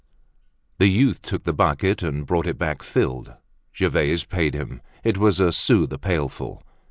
The youth took the bucket and brought it back filled. Gervaise paid him; it was a sou the pailful.